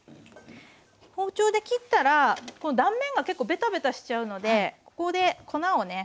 包丁で切ったら断面が結構ベタベタしちゃうのでここで粉をね